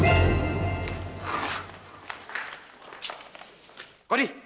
tadi kan coklat